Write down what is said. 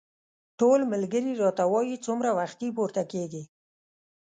ټول ملګري راته وايي څومره وختي پورته کېږې.